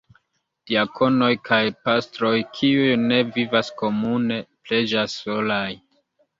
Diakonoj kaj pastroj, kiuj ne vivas komune, preĝas solaj.